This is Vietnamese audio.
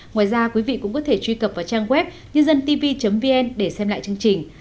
ngoài ra quý vị cũng có thể truy cập vào trang web nhândântv vn để xem lại chương trình